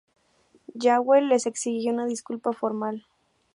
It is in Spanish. Jewell les exigió una disculpa formal.